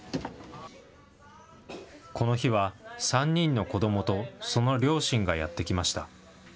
この日は、３人の子どもとその両親がやって来ました。